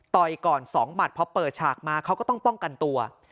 ก่อน๒หมัดพอเปิดฉากมาเขาก็ต้องป้องกันตัว